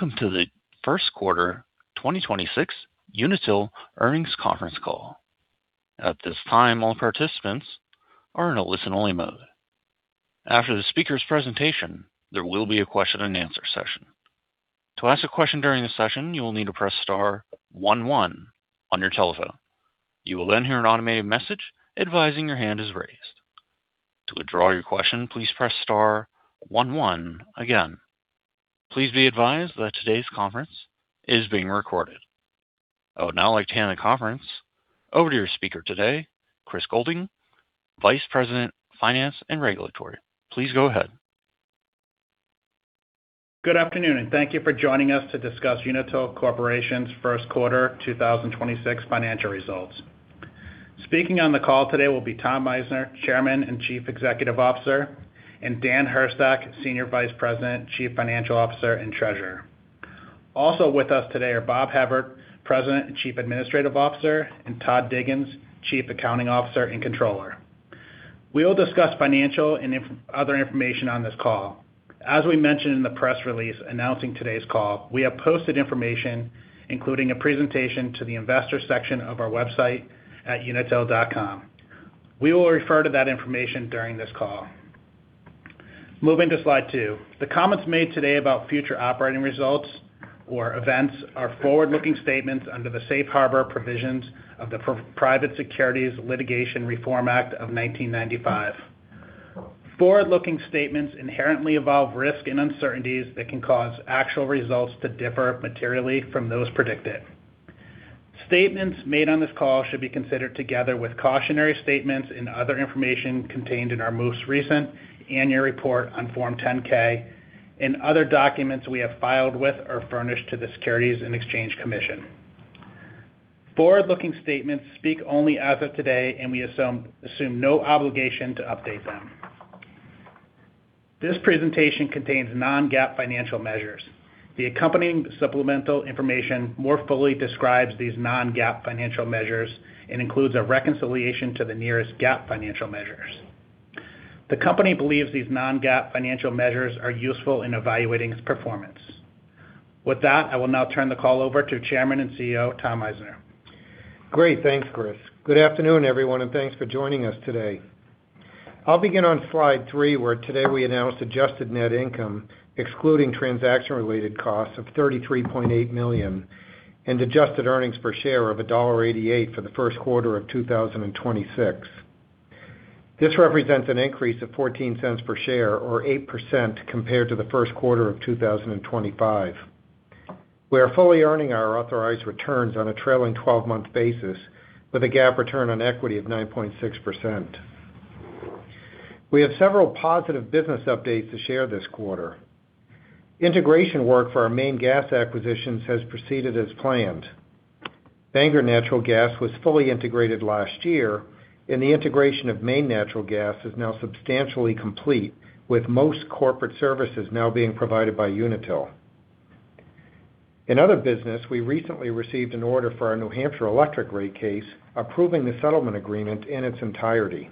Welcome to the First Quarter 2026 Unitil Earnings Conference Call. At this time, all participants are in a listen-only mode. After the speaker's presentation, there will be a question and answer session. To ask a question during the session, you will need to press star one one on your telephone. You will then hear an automated message advising your hand is raised. To withdraw your question, please press star one one again. Please be advised that today's conference is being recorded. I would now like to hand the conference over to your speaker today, Chris Goulding, Vice President, Finance and Regulatory. Please go ahead. Good afternoon, and thank you for joining us to discuss Unitil Corporation's First Quarter 2026 Financial Results. Speaking on the call today will be Tom Meissner, Chairman and Chief Executive Officer, and Dan Hurstak, Senior Vice President, Chief Financial Officer, and Treasurer. Also with us today are Bob Hebert, President and Chief Administrative Officer, and Todd Diggins, Chief Accounting Officer and Controller. We will discuss financial and other information on this call. As we mentioned in the press release announcing today's call, we have posted information, including a presentation to the investor section of our website at unitil.com. We will refer to that information during this call. Moving to slide two. The comments made today about future operating results or events are forward-looking statements under the safe harbor provisions of the Private Securities Litigation Reform Act of 1995. Forward-looking statements inherently involve risk and uncertainties that can cause actual results to differ materially from those predicted. Statements made on this call should be considered together with cautionary statements and other information contained in our most recent Annual Report on Form 10-K and other documents we have filed with or furnished to the Securities and Exchange Commission. Forward-looking statements speak only as of today. We assume no obligation to update them. This presentation contains non-GAAP financial measures. The accompanying supplemental information more fully describes these non-GAAP financial measures and includes a reconciliation to the nearest GAAP financial measures. The company believes these non-GAAP financial measures are useful in evaluating its performance. With that, I will now turn the call over to Chairman and CEO, Tom Meissner. Great. Thanks, Chris. Good afternoon, everyone, and thanks for joining us today. I'll begin on slide three, where today we announced adjusted net income, excluding transaction-related costs of $33.8 million and adjusted earnings per share of $1.88 for the first quarter of 2026. This represents an increase of $0.14 per share or 8% compared to the first quarter of 2025. We are fully earning our authorized returns on a trailing 12-month basis with a GAAP return on equity of 9.6%. We have several positive business updates to share this quarter. Integration work for our Maine Gas acquisitions has proceeded as planned. Bangor Natural Gas was fully integrated last year, and the integration of Maine Natural Gas is now substantially complete, with most corporate services now being provided by Unitil. In other business, we recently received an order for our New Hampshire electric rate case, approving the settlement agreement in its entirety.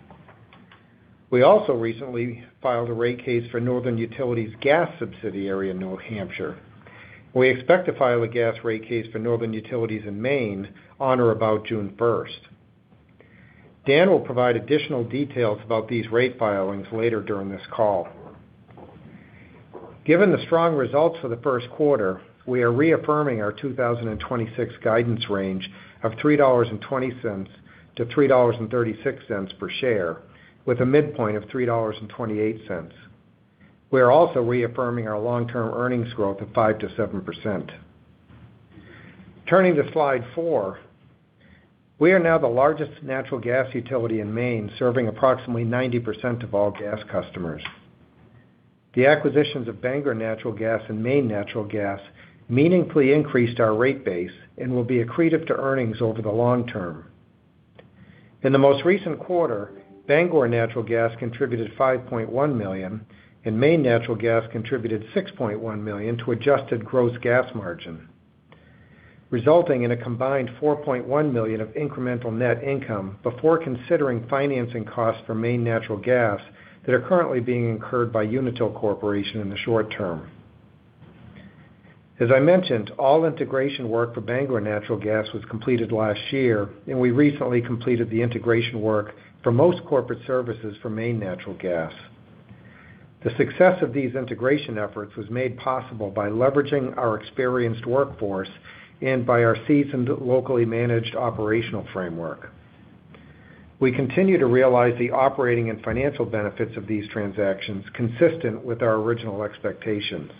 We also recently filed a rate case for Northern Utilities Gas subsidiary in New Hampshire. We expect to file a gas rate case for Northern Utilities in Maine on or about June 1st. Dan will provide additional details about these rate filings later during this call. Given the strong results for the first quarter, we are reaffirming our 2026 guidance range of $3.20 to $3.36 per share, with a midpoint of $3.28. We are also reaffirming our long-term earnings growth of 5%-7%. Turning to slide four. We are now the largest natural gas utility in Maine, serving approximately 90% of all gas customers. The acquisitions of Bangor Natural Gas and Maine Natural Gas meaningfully increased our rate base and will be accretive to earnings over the long term. In the most recent quarter, Bangor Natural Gas contributed $5.1 million, and Maine Natural Gas contributed $6.1 million to adjusted gross gas margin, resulting in a combined $4.1 million of incremental net income before considering financing costs for Maine Natural Gas that are currently being incurred by Unitil Corporation in the short term. As I mentioned, all integration work for Bangor Natural Gas was completed last year, and we recently completed the integration work for most corporate services for Maine Natural Gas. The success of these integration efforts was made possible by leveraging our experienced workforce and by our seasoned, locally managed operational framework. We continue to realize the operating and financial benefits of these transactions consistent with our original expectations.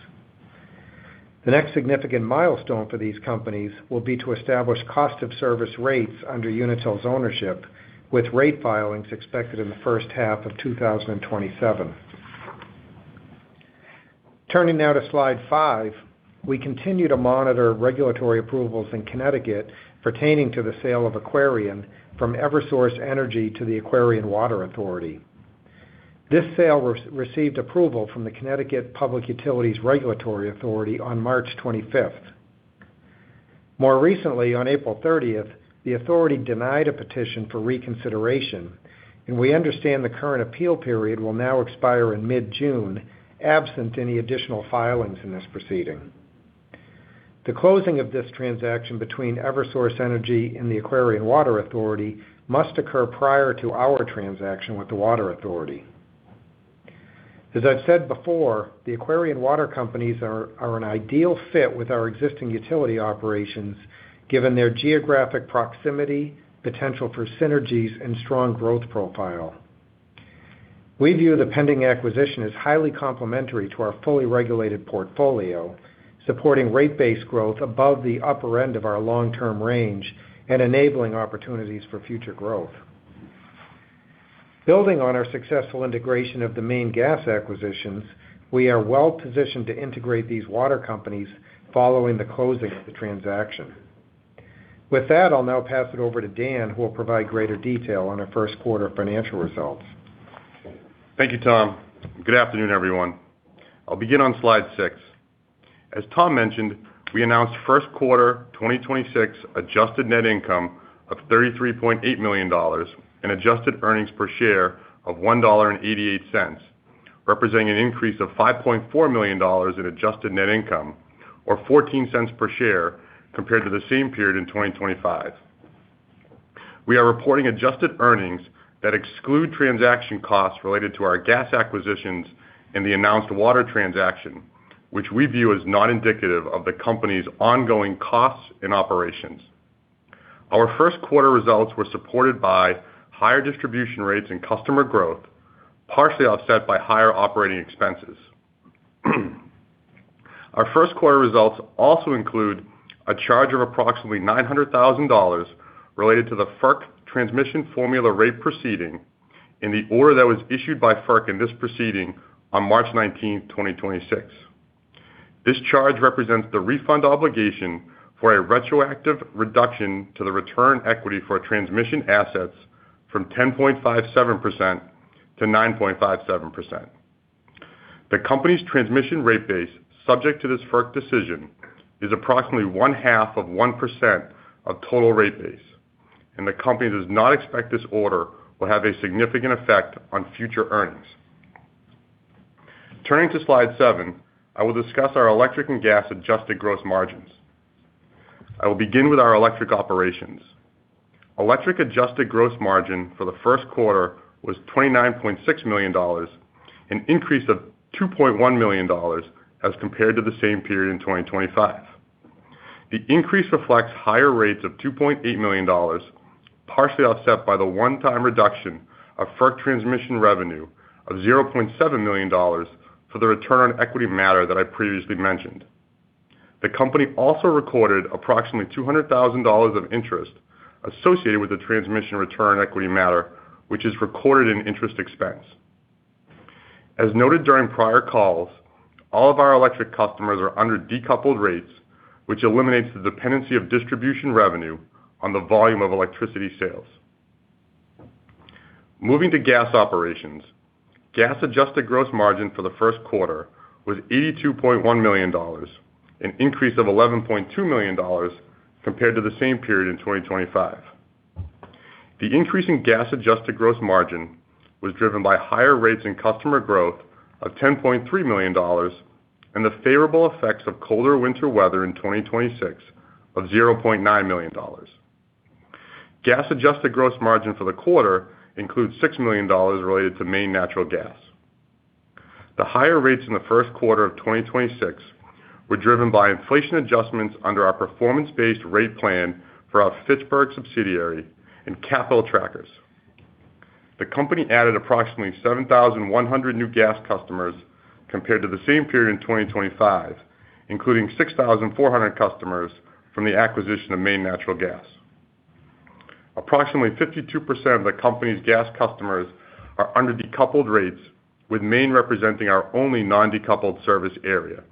The next significant milestone for these companies will be to establish cost of service rates under Unitil's ownership, with rate filings expected in the first half of 2027. Turning now to slide five. We continue to monitor regulatory approvals in Connecticut pertaining to the sale of Aquarion from Eversource Energy to the Aquarion Water Authority. This sale received approval from the Connecticut Public Utilities Regulatory Authority on March 25th. More recently, on April 30th, the authority denied a petition for reconsideration, and we understand the current appeal period will now expire in mid-June, absent any additional filings in this proceeding. The closing of this transaction between Eversource Energy and the Aquarion Water Authority must occur prior to our transaction with the Water Authority. As I've said before, the Aquarion water companies are an ideal fit with our existing utility operations, given their geographic proximity, potential for synergies and strong growth profile. We view the pending acquisition as highly complementary to our fully regulated portfolio, supporting rate base growth above the upper end of our long-term range and enabling opportunities for future growth. Building on our successful integration of the Maine Gas acquisitions, we are well-positioned to integrate these water companies following the closing of the transaction. With that, I'll now pass it over to Dan, who will provide greater detail on our first quarter financial results. Thank you, Tom. Good afternoon, everyone. I'll begin on slide six. As Tom mentioned, we announced first quarter 2026 adjusted net income of $33.8 million and adjusted earnings per share of $1.88, representing an increase of $5.4 million in adjusted net income or $0.14 per share compared to the same period in 2025. We are reporting adjusted earnings that exclude transaction costs related to our gas acquisitions and the announced water transaction, which we view as not indicative of the company's ongoing costs and operations. Our first quarter results were supported by higher distribution rates and customer growth, partially offset by higher operating expenses. Our first quarter results also include a charge of approximately $900,000 related to the FERC transmission formula rate proceeding in the order that was issued by FERC in this proceeding on March 19th, 2026. This charge represents the refund obligation for a retroactive reduction to the return equity for transmission assets from 10.57% to 9.57%. The company's transmission rate base, subject to this FERC decision, is approximately 1/2 of 1% of total rate base, and the company does not expect this order will have a significant effect on future earnings. Turning to slide seven, I will discuss our electric and gas adjusted gross margins. I will begin with our electric operations. Electric adjusted gross margin for the first quarter was $29.6 million, an increase of $2.1 million as compared to the same period in 2025. The increase reflects higher rates of $2.8 million, partially offset by the one-time reduction of FERC transmission revenue of $0.7 million for the return on equity matter that I previously mentioned. The company also recorded approximately $200,000 of interest associated with the transmission return on equity matter, which is recorded in interest expense. As noted during prior calls, all of our electric customers are under decoupled rates, which eliminates the dependency of distribution revenue on the volume of electricity sales. Moving to gas operations. Gas-adjusted gross margin for the first quarter was $82.1 million, an increase of $11.2 million compared to the same period in 2025. The increase in gas-adjusted gross margin was driven by higher rates in customer growth of $10.3 million and the favorable effects of colder winter weather in 2026 of $0.9 million. Gas-adjusted gross margin for the quarter includes $6 million related to Maine Natural Gas. The higher rates in the first quarter of 2026 were driven by inflation adjustments under our performance-based rate plan for our Fitchburg subsidiary and capital trackers. The company added approximately 7,100 new gas customers compared to the same period in 2025, including 6,400 customers from the acquisition of Maine Natural Gas. Approximately 52% of the company's gas customers are under decoupled rates, with Maine representing our only non-decoupled service area.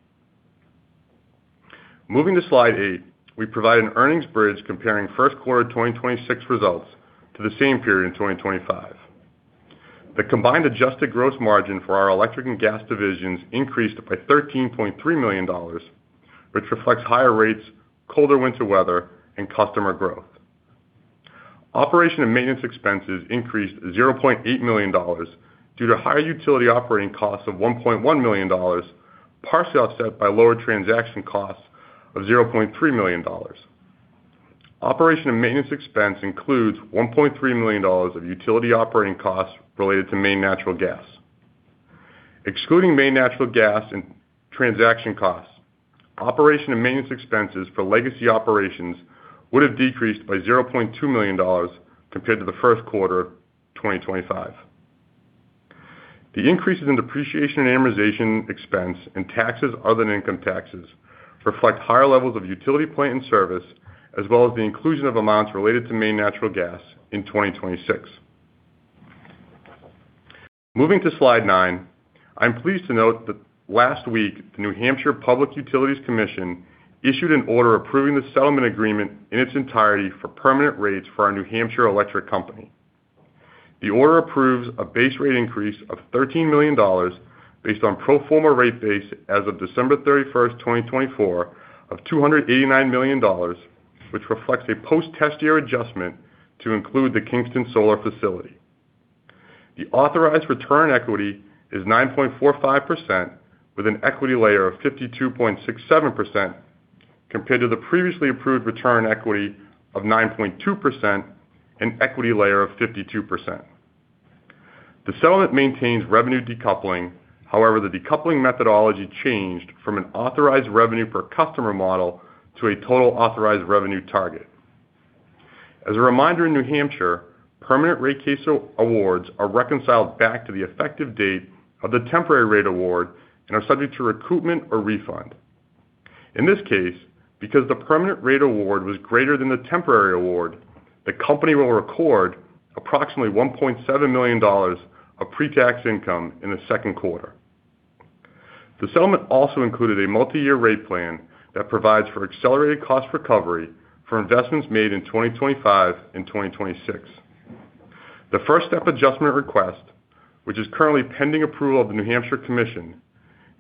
Moving to slide eight, we provide an earnings bridge comparing first quarter 2026 results to the same period in 2025. The combined adjusted gross margin for our electric and gas divisions increased by $13.3 million, which reflects higher rates, colder winter weather, and customer growth. Operation and maintenance expenses increased $0.8 million due to higher utility operating costs of $1.1 million, partially offset by lower transaction costs of $0.3 million. Operation and maintenance expense includes $1.3 million of utility operating costs related to Maine Natural Gas. Excluding Maine Natural Gas and transaction costs, operation and maintenance expenses for legacy operations would have decreased by $0.2 million compared to the first quarter 2025. The increases in depreciation and amortization expense and taxes other than income taxes reflect higher levels of utility plant and service, as well as the inclusion of amounts related to Maine Natural Gas in 2026. Moving to slide nine, I'm pleased to note that last week, the New Hampshire Public Utilities Commission issued an order approving the settlement agreement in its entirety for permanent rates for our New Hampshire Electric Company. The order approves a base rate increase of $13 million based on pro forma rate base as of December 31st, 2024 of $289 million, which reflects a post-test year adjustment to include the Kingston Solar facility. The authorized return on equity is 9.45% with an equity layer of 52.67% compared to the previously approved return on equity of 9.2% and equity layer of 52%. The settlement maintains revenue decoupling. The decoupling methodology changed from an authorized revenue per customer model to a total authorized revenue target. As a reminder, in New Hampshire, permanent rate case awards are reconciled back to the effective date of the temporary rate award and are subject to recoupment or refund. In this case, because the permanent rate award was greater than the temporary award, the company will record approximately $1.7 million of pre-tax income in the second quarter. The settlement also included a multi-year rate plan that provides for accelerated cost recovery for investments made in 2025 and 2026. The first step adjustment request, which is currently pending approval of the New Hampshire Commission,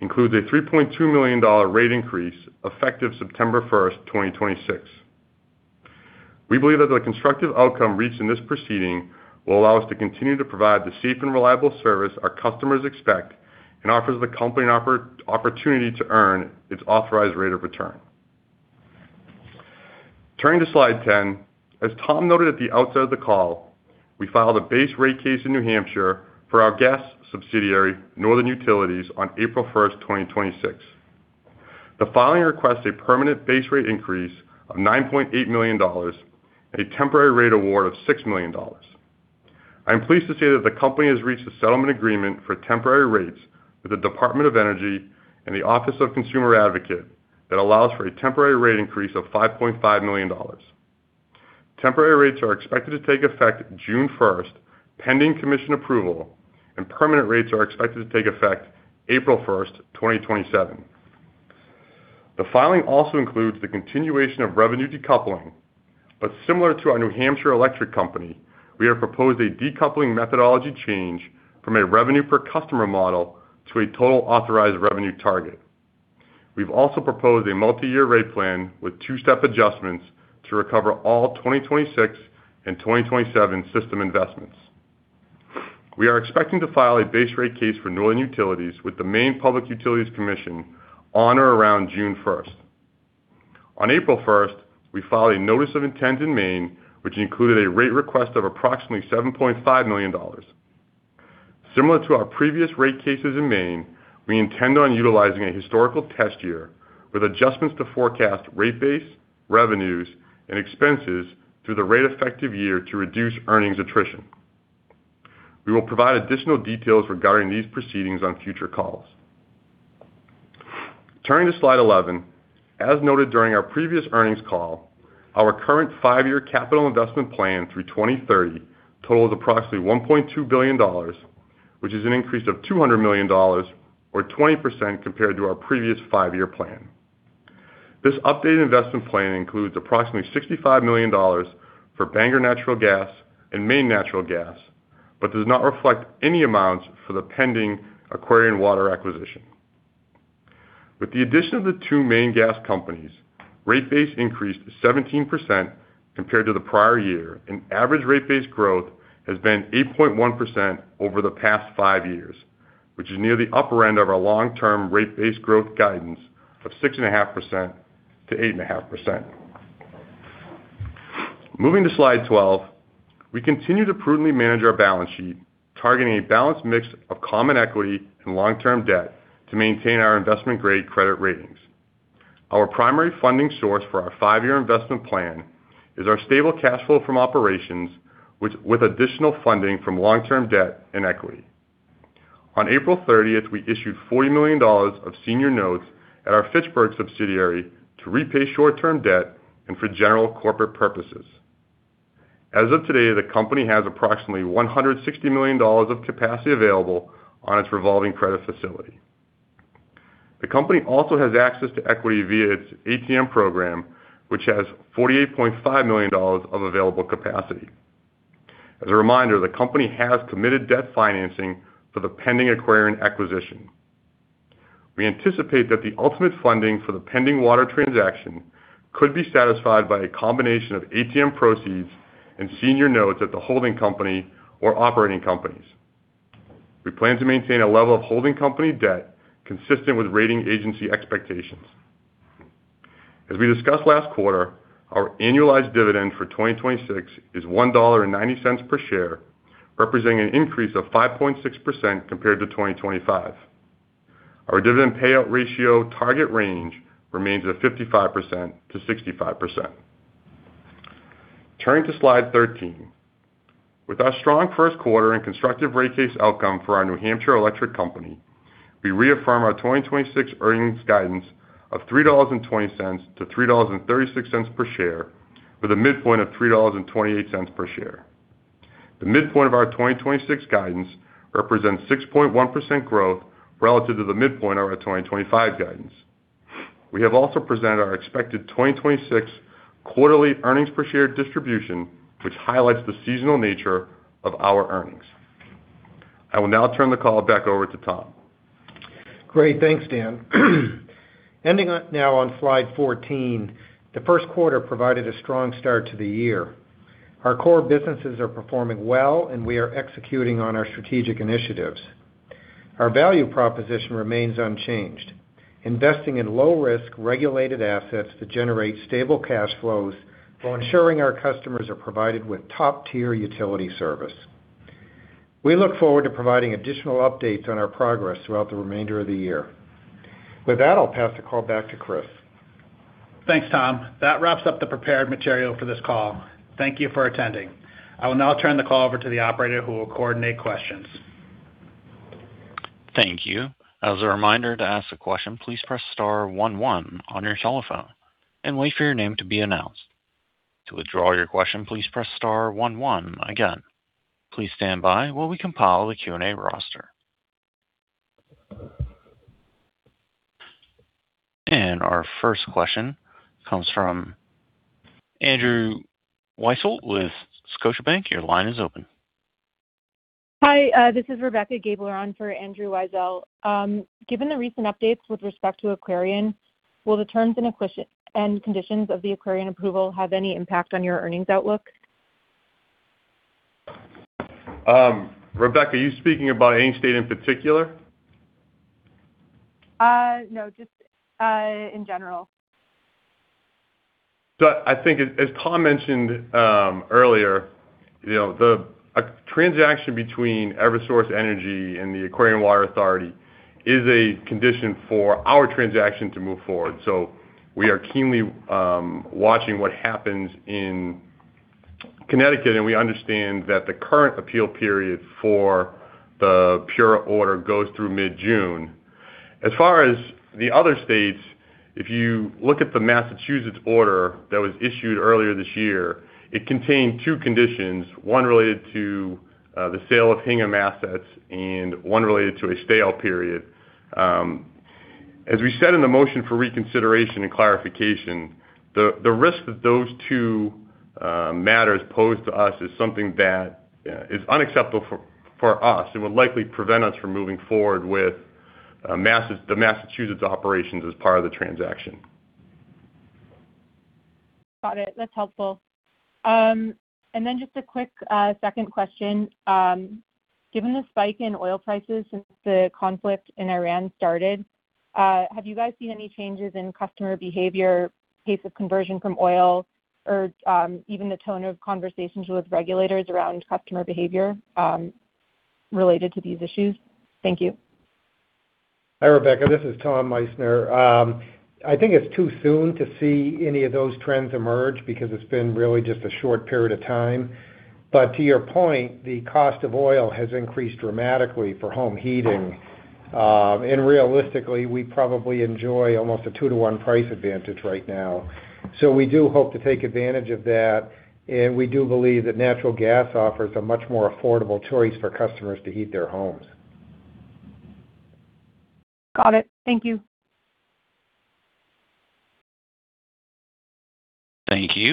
includes a $3.2 million rate increase effective September 1st, 2026. We believe that the constructive outcome reached in this proceeding will allow us to continue to provide the safe and reliable service our customers expect and offers the company an opportunity to earn its authorized rate of return. Turning to slide 10. As Tom noted at the outset of the call, we filed a base rate case in New Hampshire for our gas subsidiary, Northern Utilities, on April 1st, 2026. The filing requests a permanent base rate increase of $9.8 million and a temporary rate award of $6 million. I'm pleased to say that the company has reached a settlement agreement for temporary rates with the Department of Energy and the Office of the Consumer Advocate that allows for a temporary rate increase of $5.5 million. Temporary rates are expected to take effect June 1st, pending commission approval, and permanent rates are expected to take effect April 1st, 2027. The filing also includes the continuation of revenue decoupling, similar to our New Hampshire Electric Company, we have proposed a decoupling methodology change from a revenue per customer model to a total authorized revenue target. We've also proposed a multi-year rate plan with two-step adjustments to recover all 2026 and 2027 system investments. We are expecting to file a base rate case for Northern Utilities with the Maine Public Utilities Commission on or around June 1st. On April 1st, we filed a notice of intent in Maine, which included a rate request of approximately $7.5 million. Similar to our previous rate cases in Maine, we intend on utilizing a historical test year with adjustments to forecast rate base, revenues, and expenses through the rate effective year to reduce earnings attrition. We will provide additional details regarding these proceedings on future calls. Turning to slide 11. As noted during our previous earnings call, our current five-year capital investment plan through 2030 totals approximately $1.2 billion, which is an increase of $200 million or 20% compared to our previous five-year plan. This updated investment plan includes approximately $65 million for Bangor Natural Gas and Maine Natural Gas, but does not reflect any amounts for the pending Aquarion Water acquisition. With the addition of the two Maine gas companies, rate base increased 17% compared to the prior year, and average rate base growth has been 8.1% over the past five years, which is near the upper end of our long-term rate base growth guidance of 6.5%-8.5%. Moving to slide 12. We continue to prudently manage our balance sheet, targeting a balanced mix of common equity and long-term debt to maintain our investment-grade credit ratings. Our primary funding source for our five-year investment plan is our stable cash flow from operations with additional funding from long-term debt and equity. On April 30th, we issued $40 million of senior notes at our Fitchburg subsidiary to repay short-term debt and for general corporate purposes. As of today, the company has approximately $160 million of capacity available on its revolving credit facility. The company also has access to equity via its ATM program, which has $48.5 million of available capacity. As a reminder, the company has committed debt financing for the pending Aquarion acquisition. We anticipate that the ultimate funding for the pending water transaction could be satisfied by a combination of ATM proceeds and senior notes at the holding company or operating companies. We plan to maintain a level of holding company debt consistent with rating agency expectations. As we discussed last quarter, our annualized dividend for 2026 is $1.90 per share, representing an increase of 5.6% compared to 2025. Our dividend payout ratio target range remains at 55%-65%. Turning to slide 13. With our strong first quarter and constructive rate case outcome for our New Hampshire Electric Company, we reaffirm our 2026 earnings guidance of $3.20-$3.36 per share with a midpoint of $3.28 per share. The midpoint of our 2026 guidance represents 6.1% growth relative to the midpoint of our 2025 guidance. We have also presented our expected 2026 quarterly earnings per share distribution, which highlights the seasonal nature of our earnings. I will now turn the call back over to Tom. Great. Thanks, Dan. Now on slide 14, the first quarter provided a strong start to the year. Our core businesses are performing well, and we are executing on our strategic initiatives. Our value proposition remains unchanged, investing in low risk regulated assets that generate stable cash flows while ensuring our customers are provided with top-tier utility service. We look forward to providing additional updates on our progress throughout the remainder of the year. With that, I'll pass the call back to Chris. Thanks, Tom. That wraps up the prepared material for this call. Thank you for attending. I will now turn the call over to the operator, who will coordinate questions. Thank you. Our first question comes from Andrew Weisel with Scotiabank. Your line is open. Hi, this is Rebecca Kujala on for Andrew Weisel. Given the recent updates with respect to Aquarion, will the terms and conditions of the Aquarion approval have any impact on your earnings outlook? Rebecca, are you speaking about any state in particular? no, just, in general. I think as Tom mentioned, earlier, you know, a transaction between Eversource Energy and the Aquarion Water Authority is a condition for our transaction to move forward. We are keenly watching what happens in Connecticut, and we understand that the current appeal period for the PURA order goes through mid-June. As far as the other states, if you look at the Massachusetts order that was issued earlier this year, it contained two conditions, one related to the sale of Hingham assets and one related to a stale period. As we said in the motion for reconsideration and clarification, the risk that those two matters pose to us is something that is unacceptable for us and would likely prevent us from moving forward with the Massachusetts operations as part of the transaction. Got it. That's helpful. Just a quick second question. Given the spike in oil prices since the conflict in Iran started, have you guys seen any changes in customer behavior, pace of conversion from oil or even the tone of conversations with regulators around customer behavior related to these issues? Thank you. Hi, Rebecca. This is Tom Meissner. I think it's too soon to see any of those trends emerge because it's been really just a short period of time. To your point, the cost of oil has increased dramatically for home heating. Realistically, we probably enjoy almost a two to one price advantage right now. We do hope to take advantage of that, and we do believe that natural gas offers a much more affordable choice for customers to heat their homes. Got it. Thank you. Thank you.